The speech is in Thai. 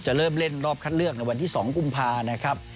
เริ่มเล่นรอบคัดเลือกในวันที่๒กุมภานะครับ